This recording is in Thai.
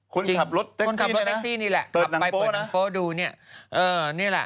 คนขับรถแท็กซี่นี่แหละเปิดหนังโป้ดูนี่